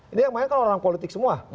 ini yang main kalau orang politik semua